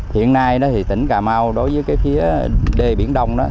hiện nay tỉnh cà mau đối với phía đề biển đông